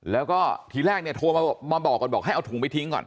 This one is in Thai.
แล้วก็ทีแรกโทรมาบอกให้เอาถุงไปทิ้งก่อน